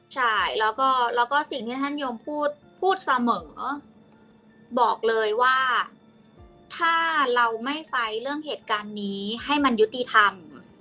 ใช่แล้วก็สิ่งที่ท่านยมพูดพูดเสมอบอกเลยว่าถ้าเราไม่ไฟเรื่องเหตุการณ์นี้ให้มันยุติธรรม